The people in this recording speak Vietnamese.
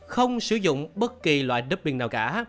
không sử dụng bất kỳ loại doping nào cả